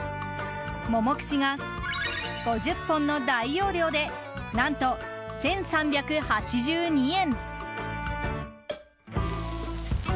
モモ串が５０本の大容量で何と１３８２円！